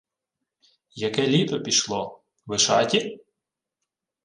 — Яке літо пішло... Вишаті?